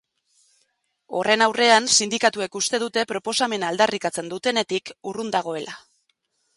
Horren aurrean, sindikatuek uste dute proposamena aldarrikatzen dutenetik urrun dagoela.